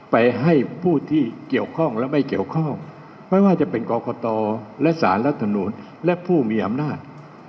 ไปให้ผู้ที่เกี่ยวข้องและไม่เกี่ยวข้องไม่ว่าจะเป็นกรกตและสารรัฐมนูลและผู้มีอำนาจ